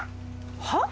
はっ！？